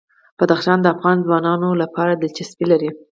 بدخشان د افغان ځوانانو لپاره دلچسپي لري.